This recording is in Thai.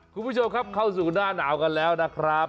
คุณผู้ชมครับเข้าสู่หน้าหนาวกันแล้วนะครับ